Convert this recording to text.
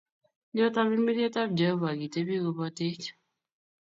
Nyo, tamirmiriet ab Jehovah akitepi kopatech